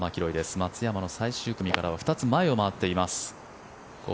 松山の最終組からは２つ前を回っています。